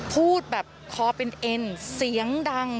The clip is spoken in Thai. พูดแบบคอเป็นเอ็นเสียงดัง